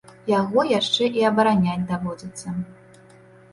Яго яшчэ і абараняць даводзіцца.